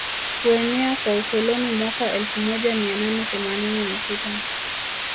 Kuenea kwa ukoloni Mwaka elfu moja mia nane themanini na sita